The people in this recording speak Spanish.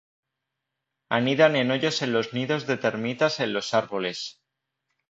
Anidan en hoyos en los nidos de termitas en los árboles.